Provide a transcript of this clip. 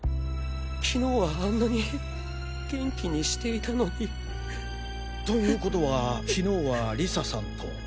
昨日はあんなに元気にしていたのに。ということは昨日はリサさんと？